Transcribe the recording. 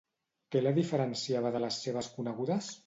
Què la diferenciava de les seves conegudes?